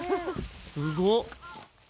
すごっ。